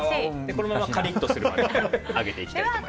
このままカリッとするまで揚げていきたいと思います。